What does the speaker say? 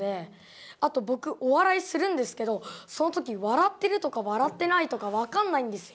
あと僕お笑いするんですけどその時笑ってるとか笑ってないとか分かんないんですよ